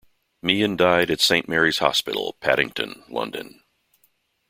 Meehan died at Saint Mary's Hospital, Paddington, London.